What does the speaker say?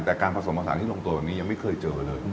แต่การผสมผสานที่ลงตัวแบบนี้ยังไม่เคยเจอเลย